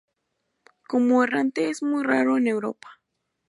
Como errante es muy raro en Europa.